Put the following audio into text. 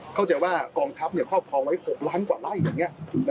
เข้าใจว่ากองทัพครอบครองไว้๖ล้านกว่าไร่อย่างนี้